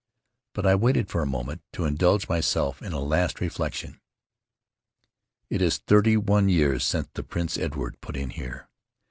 But I waited for a moment to indulge myself in a last reflection: 'Tt is thirty one years since the Prince Edward put in here.